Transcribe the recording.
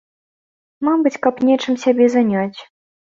Мабыць, каб нечым сябе заняць.